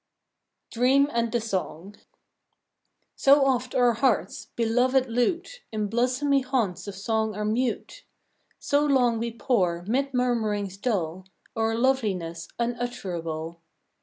DREAM AND THE SONG So oft our hearts, belovèd lute, In blossomy haunts of song are mute; So long we pore, 'mid murmurings dull, O'er loveliness unutterable.